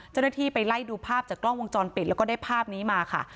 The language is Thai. เจ้าหน้าที่ไปไล่ดูภาพจากกล้องวงจรปิดแล้วก็ได้ภาพนี้มาค่ะ